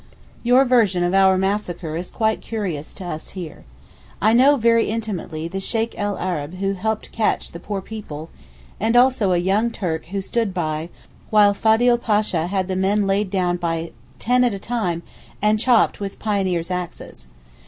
Your version of our massacre is quite curious to us here. I know very intimately the Sheykh el Arab who helped to catch the poor people and also a young Turk who stood by while Fadil Pasha had the men laid down by ten at a time and chopped with pioneers' axes.